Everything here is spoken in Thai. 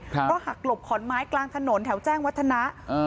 ก็หักหลบขอนไม้กลางถนนแถวแจ้งวัฒนะ